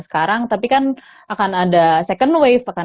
sekarang tapi kan akan ada second wave kan ya kan